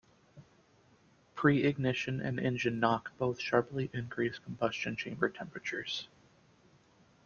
Pre-ignition and engine knock both sharply increase combustion chamber temperatures.